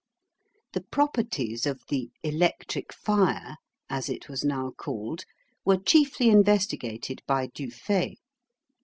The properties of the "electric fire," as it was now called, were chiefly investigated by Dufay.